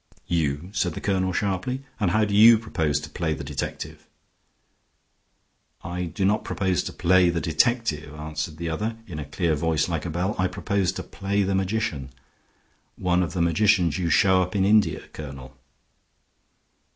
"You!" said the colonel, sharply. "And how do you propose to play the detective?" "I do not propose to play the detective," answered the other, in a clear voice like a bell. "I propose to play the magician. One of the magicians you show up in India, Colonel."